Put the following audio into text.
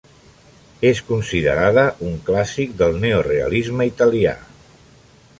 És considerada un clàssic del neorealisme italià.